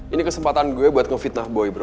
ini kesempatan gue buat ngefitnah boy